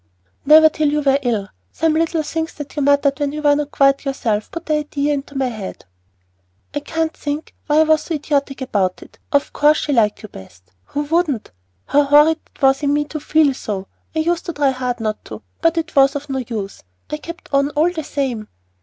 "Never till you were ill. Some little things that you muttered when you were not quite yourself put the idea into my head." "I can't think why I was so idiotic about it. Of course she liked you best, who wouldn't? How horrid it was in me to feel so! I used to try hard not to, but it was of no use; I kept on all the same."